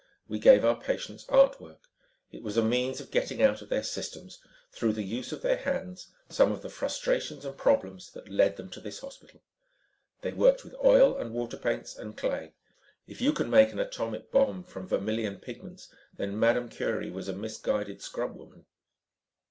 We gave our patients art work. It was a means of getting out of their systems, through the use of their hands, some of the frustrations and problems that led them to this hospital. They worked with oil and water paints and clay. If you can make an atomic bomb from vermillion pigments, then Madame Curie was a misguided scrubwoman."